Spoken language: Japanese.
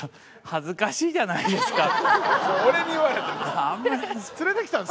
「恥ずかしいじゃないですか」って俺に言われても。